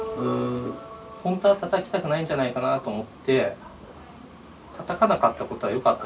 本当はたたきたくないんじゃないかなと思ってたたかなかったことはよかったでしょ？